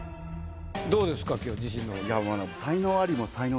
どうですか今日自信の程は？